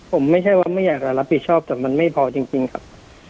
ผมไม่ใช่ว่าไม่อยากจะรับผิดชอบแต่มันไม่พอจริงครับ